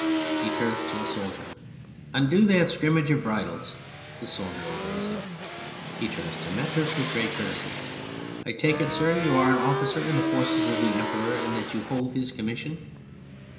(He turns to a soldier.) Undo that scrimmage of bridles. (The soldier obeys him. He turns to METRIS with great courtesy.) I take it, sir, you are an officer in the forces of the Emperor and that you hold his commission